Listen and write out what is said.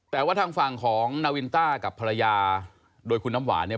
แต่ว่าทางฝั่งของนาวินต้ากับภรรยาโดยคุณน้ำหวานเนี่ย